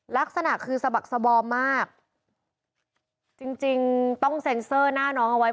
ลักษณะคือสะบักสบอมมากจริงจริงต้องเซ็นเซอร์หน้าน้องเอาไว้